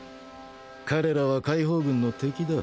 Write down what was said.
彼らは解放軍の敵だ。